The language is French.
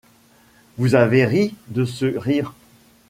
Vous avez ri de ce rire.